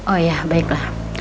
oh iya baiklah